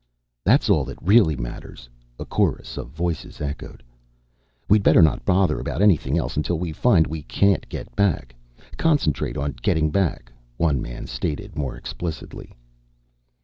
"That's all that really matters," a chorus of voices echoed. "We'd better not bother about anything else unless we find we can't get back. Concentrate on getting back," one man stated more explicitly.